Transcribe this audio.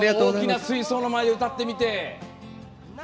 大きな水槽の前で歌ってみて。